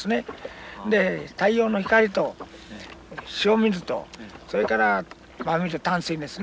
で太陽の光と塩水とそれから真水淡水ですね